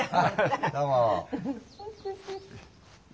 どうも。